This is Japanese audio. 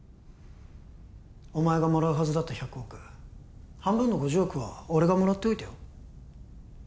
お前がもらうはずだった１００億半分の５０億は俺がもらっておいたよ